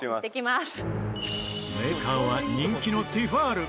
メーカーは人気のティファール。